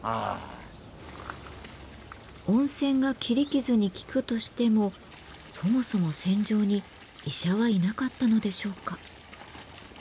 温泉が切り傷に効くとしてもそもそも戦場に医者はいなかったのでしょうか？